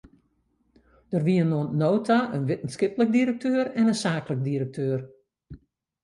Der wienen oant no ta in wittenskiplik direkteur en in saaklik direkteur.